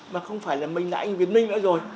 mà không phải là mình là anh việt minh nữa rồi